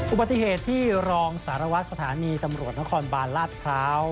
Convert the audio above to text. อุปถีเหตุที่รองศาลวัดสถานีตำรวจนะครบานลาทพร้าว